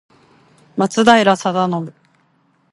松平定信